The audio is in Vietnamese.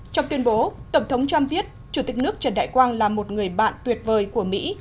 trong tuyên bố tổng thống trump viết chủ tịch nước trần đại quang là một người bạn tuyệt vời của mỹ